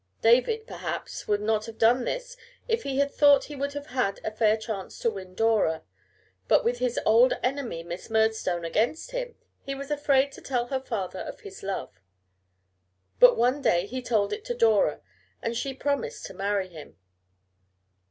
David, perhaps, would not have done this if he had thought he would have a fair chance to win Dora; but with his old enemy, Miss Murdstone, against him, he was afraid to tell her father of his love. But one day he told it to Dora, and she promised to marry him.